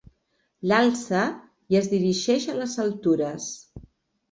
L'alça i es dirigeix a les altures.